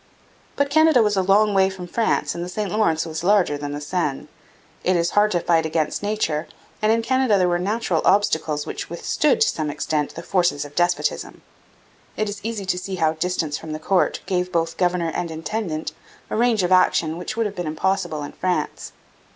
But Canada was a long way from France and the St Lawrence was larger than the Seine. It is hard to fight against nature, and in Canada there were natural obstacles which withstood to some extent the forces of despotism. It is easy to see how distance from the court gave both governor and intendant a range of action which would have been impossible in France.